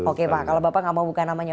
oke pak kalau bapak nggak mau buka namanya